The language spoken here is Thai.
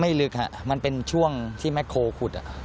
ไม่ลึกค่ะมันเป็นช่วงที่แม็กซ์โค้ด